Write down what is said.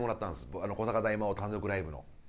古坂大魔王単独ライブの。